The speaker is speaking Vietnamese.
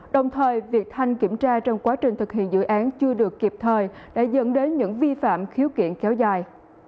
đồng thời việc thanh kiểm tra trong quá trình thực hiện dự án chưa được kịp thời đã dẫn đến những vi phạm khiếu kiện kéo dài